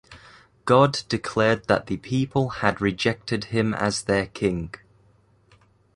God declared that the people had rejected him as their king.